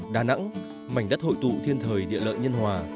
đà nẵng mảnh đất hội tụ thiên thời địa lợi nhân hòa